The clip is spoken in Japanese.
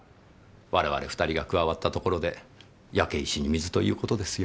我々２人が加わったところで焼け石に水という事ですよ。